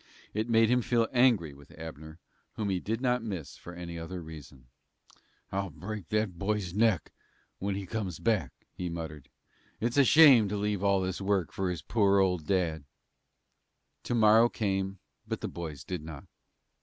It made him feel angry with Abner, whom he did not miss for any other reason. "I'll break that boy's neck when he comes back," he muttered. "It's a shame to leave all this work for his poor, old dad." To morrow came, but the boys did not.